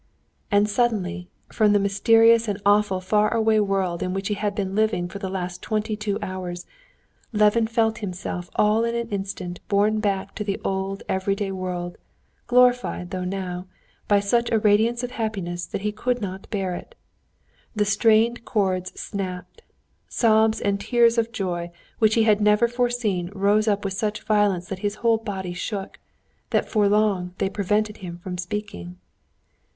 And suddenly, from the mysterious and awful far away world in which he had been living for the last twenty two hours, Levin felt himself all in an instant borne back to the old every day world, glorified though now, by such a radiance of happiness that he could not bear it. The strained chords snapped, sobs and tears of joy which he had never foreseen rose up with such violence that his whole body shook, that for long they prevented him from speaking.